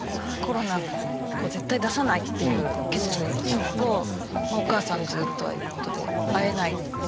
コロナ絶対出さないっていう決意をするとお母さんずっとああいう事で会えない。